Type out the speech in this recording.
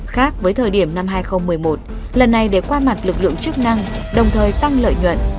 khác với thời điểm năm hai nghìn một mươi một lần này để qua mặt lực lượng chức năng đồng thời tăng lợi nhuận